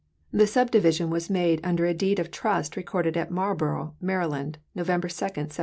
The subdivision was made under a deed of trust recorded at Marlborough, Maryland, November 2, 1770.